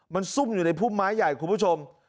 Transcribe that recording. มันซุ่มอยู่ในพุ่มไม้ใหญ่คุณผู้ชม